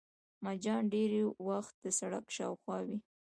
مچان ډېری وخت د سړک شاوخوا وي